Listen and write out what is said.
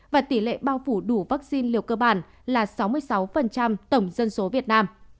và tỷ lệ bao phủ đủ vaccine liều cơ bản là sáu mươi sáu tổng dân số việt nam